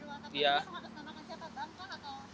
lu sama ada tanda pengajian akar bang